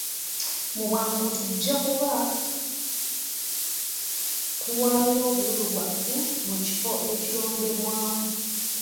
Mu bwangu tujja kuba tuwaayo obululu bwaffe mu kifo ekironderwamu.